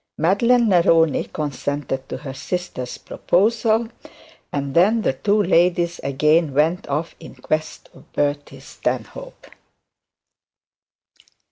Madeline Neroni consented to her sister's proposal, and then the two ladies again went off in quest of Bertie Stanhope.